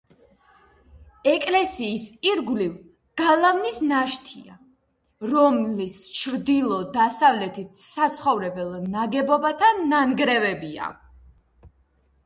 ეკლესიის ირგვლივ გალავნის ნაშთია, რომლის ჩრდილო-დასავლეთით საცხოვრებელ ნაგებობათა ნანგრევებია.